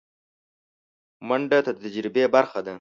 منډه د تجربې برخه ده